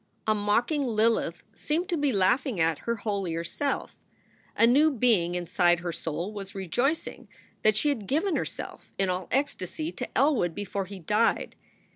A mocking Lilith seemed to be laughing at her holier self. A new being inside her soul was rejoicing that she had given herself in all ecstasy to Elwood before he died.